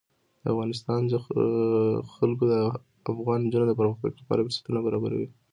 د افغانستان جلکو د افغان نجونو د پرمختګ لپاره فرصتونه برابروي.